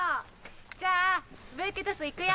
じゃあブーケトスいくよ！